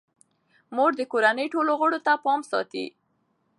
مور د کورنۍ ټولو غړو پام ساتي.